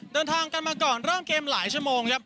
เดินทางกันมาก่อนเริ่มเกมหลายชั่วโมงครับ